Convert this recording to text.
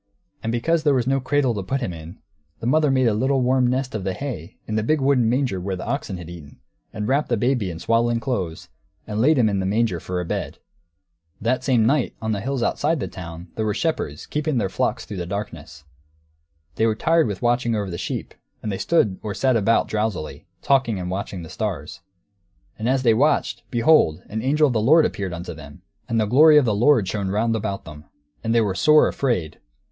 And because there was no cradle to put Him in, the mother made a little warm nest of the hay in the big wooden manger where the oxen had eaten, and wrapped the baby in swaddling clothes, and laid Him in the manger, for a bed! That same night, on the hills outside the town, there were shepherds, keeping their flocks through the darkness. They were tired with watching over the sheep, and they stood or sat about, drowsily, talking and watching the stars. And as they watched, behold, an angel of the Lord appeared unto them! And the glory of the Lord shone round about them! And they were sore afraid.